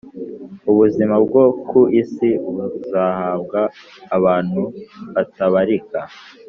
ubuzima bwo ku isi buzahabwa abantu batabarika